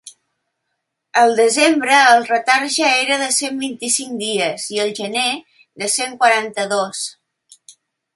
El desembre el retard ja era de cent vint-i-cinc dies i el gener, de cent quaranta-dos.